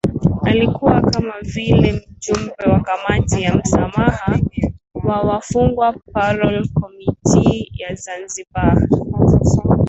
Alikuwa kama vile Mjumbe wa Kamati ya Msamaha wa Wafungwa Parole Committee ya Zanzibar